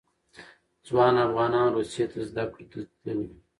ځوان افغانان روسیې ته زده کړو ته تللي.